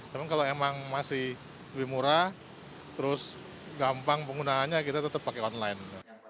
tapi kalau emang masih lebih murah terus gampang penggunaannya kita tetap pakai online